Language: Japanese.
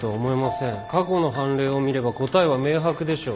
過去の判例を見れば答えは明白でしょう。